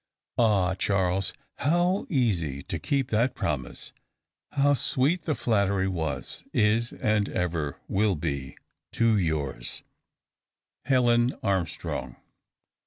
"Ah! Charles, how easy to keep that promise! How sweet the flattery was, is, and ever will be, to yours, "Helen Armstrong."